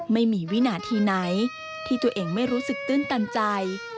ไม่มีวินาทีไหนที่ตัวเองไม่รู้สึกตื้นตันใจ